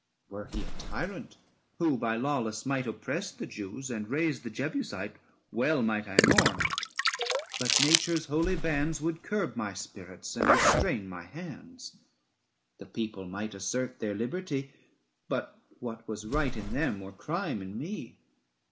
Were he a tyrant, who by lawless might Oppressed the Jews and raised the Jebusite, Well might I mourn; but nature's holy bands Would curb my spirits and restrain my hands; 340 The people might assert their liberty, But what was right in them were crime in me.